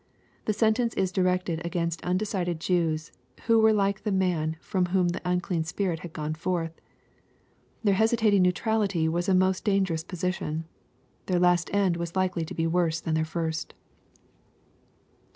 The sentence is directed against undecided Jews, who were like the man firom whom the unclean spirit had gone forth. Their hesitating neutrality was a most dan gerous position. Their last end was hkely to be worse than their first.